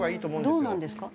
どうなんですか？